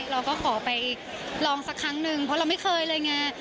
เราก็ขอไปลองสักครั้งหนึ่งเพราะเราไม่เคยเลยไง